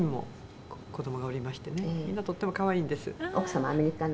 「奥様アメリカの」